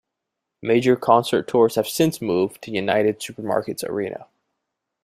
Major concert tours have since moved to United Supermarkets Arena.